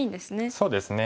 そうですね。